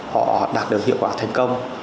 họ đạt được hiệu quả thành công